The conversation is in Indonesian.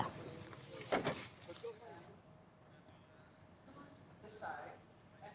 usut punya usut terungkap fakta